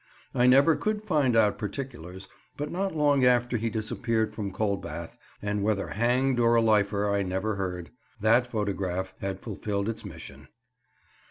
I never could find out particulars, but not long after he disappeared from Coldbath, and whether hanged or a "lifer," I never heard. That photograph had fulfilled its mission.